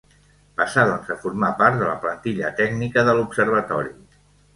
Passà doncs a formar part de la plantilla tècnica de l'observatori.